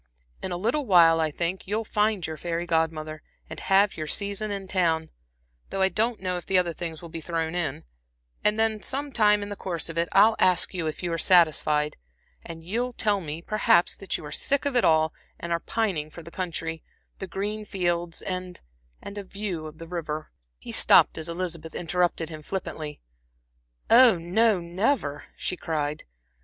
In a little while, I think, you'll find your fairy Godmother, and have your season in town, though I don't know if the other things will be thrown in; and then some time in the course of it, I'll ask you if you are satisfied, and you'll tell me perhaps, that you are sick of it all, and are pining for the country, the green fields, and a the view of the river" He stopped as Elizabeth interrupted him flippantly. "Oh, no, never," she cried.